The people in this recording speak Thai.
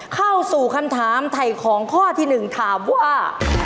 เข้าสู่คำถามไถ่ของข้อที่๑ถามว่า